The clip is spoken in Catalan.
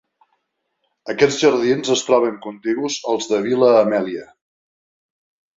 Aquests jardins es troben contigus als de Vil·la Amèlia.